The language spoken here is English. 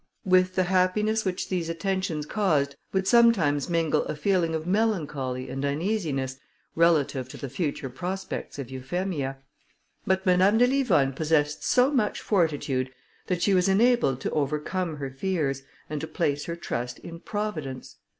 With the happiness which these attentions caused, would sometimes mingle a feeling of melancholy and uneasiness, relative to the future prospects of Euphemia; but Madame de Livonne possessed so much fortitude, that she was enabled to overcome her fears, and to place her trust in Providence.